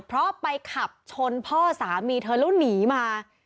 เพราะไปขับชนพ่อสามีเธอแล้วหนีมา